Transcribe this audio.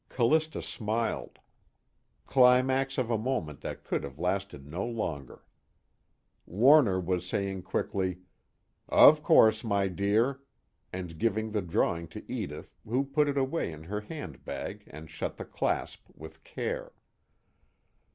Callista smiled: climax of a moment that could have lasted no longer. Warner was saying quickly: "Of course, my dear " and giving the drawing to Edith, who put it away in her handbag and shut the clasp with care.